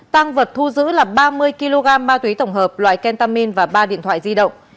tăng vật thu giữ là ba mươi kg ma túy tổng hợp loại kentamin và ba điện thoại di động